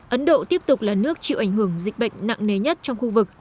ấn độ tiếp tục là nước chịu ảnh hưởng dịch bệnh nặng nề nhất trong khu vực